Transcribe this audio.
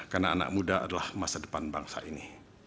karena anak muda adalah masa depan bangsa ini